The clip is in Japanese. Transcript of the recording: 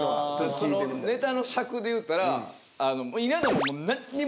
そのネタの尺でいうたら稲田も。